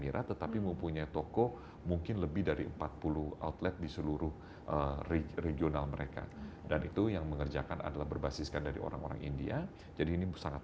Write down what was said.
regional mereka dan itu yang mengerjakan adalah berbasiskan dari orang orang india jadi ini sangat